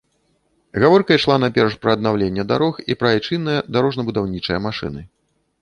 Гаворка ішла найперш пра аднаўленне дарог і пра айчынныя дарожна-будаўнічыя машыны.